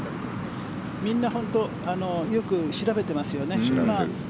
みんな本当によく調べてますよね。